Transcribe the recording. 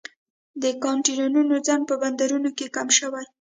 د کانټینرونو ځنډ په بندرونو کې کم شوی